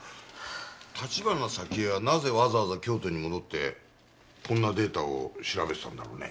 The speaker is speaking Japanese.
橘沙希江はなぜわざわざ京都に戻ってこんなデータを調べてたんだろうね。